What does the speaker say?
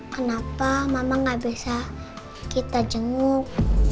kenapa mama gak bisa kita jenguk